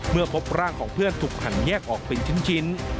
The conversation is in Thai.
เมื่อพบร่างของเพื่อนถูกหันแยกออกเป็นชิ้น